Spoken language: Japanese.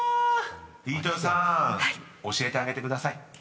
［飯豊さん教えてあげてください］